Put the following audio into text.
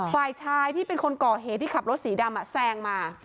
ฝ่ายชายที่เป็นคนก่อเหตุที่ขับรถสีดำแซงมา